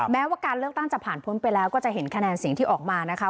แม้ว่าการเลือกตั้งจะผ่านพ้นไปแล้วก็จะเห็นคะแนนเสียงที่ออกมานะคะ